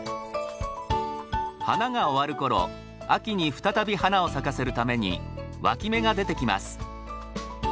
花が終わる頃秋に再び花を咲かせるためにわき芽が出てきます。